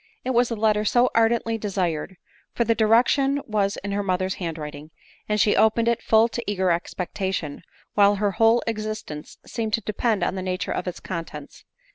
It was the letter so ardently desired ; for the direction was in x her mother's hand writing ! and she opened it full of eager expectation, while her whole existence seemed to depend on the nature of its contents.